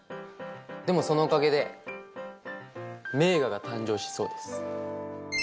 でもそのおかげで名画が誕生しそうです。